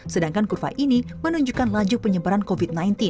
sedangkan kurva ini menunjukkan laju penyebaran covid sembilan belas